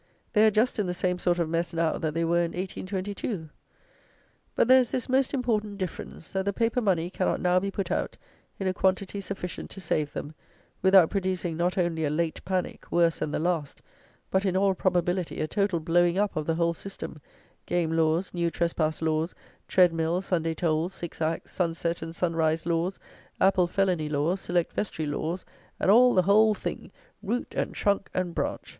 They are just in the same sort of mess, now, that they were in 1822. But, there is this most important difference, that the paper money cannot now be put out, in a quantity sufficient to save them, without producing not only a "late panic," worse than the last, but, in all probability, a total blowing up of the whole system, game laws, new trespass laws, tread mill, Sunday tolls, six acts, sun set and sun rise laws, apple felony laws, select vestry laws, and all the whole THING, root and trunk and branch!